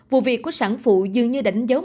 vụ việc của sản phụ dường như đánh dấu